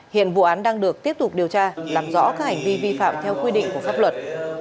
hiện vụ án đang được tiếp tục điều tra làm rõ các hành vi vi phạm theo quy định của pháp luật